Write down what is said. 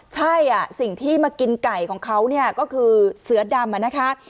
ใช่สิ่งที่มากินไก่ของเขาเนี่ยก็คือเสือดำนะคะ